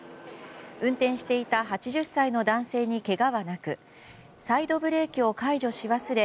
運転していた８０歳の男性にけがはなくサイドブレーキを解除し忘れ